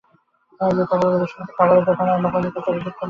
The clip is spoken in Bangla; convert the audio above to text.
বিশেষত, খাবারের দোকানি অন্য পক্ষের কাছে অভিযোগ করলে তারা ঘটনাটিকে ইস্যু করে।